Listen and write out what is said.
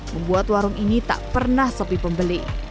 membuat warung ini tak pernah sepi pembeli